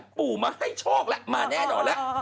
ปู่มาให้โชคแล้วมาแน่นอนแล้ว